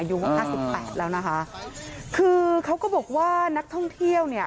ห้าสิบแปดแล้วนะคะคือเขาก็บอกว่านักท่องเที่ยวเนี่ย